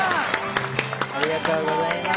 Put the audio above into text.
おめでとうございます。